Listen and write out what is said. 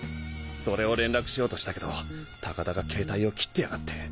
それを連絡しようとしたけど高田が携帯を切ってやがって。